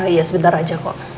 iya sebentar aja kok